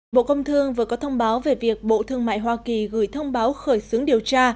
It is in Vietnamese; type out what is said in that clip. bộ công thương vừa có thông báo về việc bộ thương mại hoa kỳ gửi thông báo khởi xướng điều tra